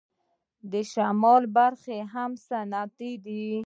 شمالي برخه یې هم صنعتي ده.